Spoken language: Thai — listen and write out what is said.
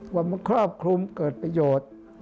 ว่ามันครอบคลุมเกิดประโยชน์